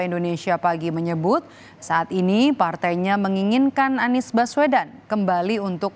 indonesia pagi menyebut saat ini partainya menginginkan anies baswedan kembali untuk